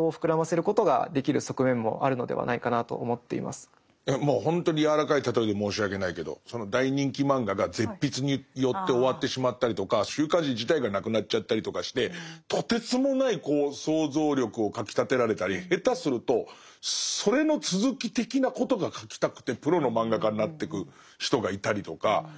むしろもうほんとに柔らかい例えで申し訳ないけどその大人気漫画が絶筆によって終わってしまったりとか週刊誌自体がなくなっちゃったりとかしてとてつもない想像力をかきたてられたり下手するとそれの続き的なことが書きたくてプロの漫画家になってく人がいたりとか。